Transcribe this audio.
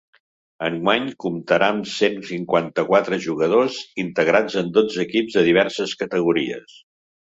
Enguany comptarà amb cent cinquanta-quatre jugadors integrats en dotze equips de diverses categories.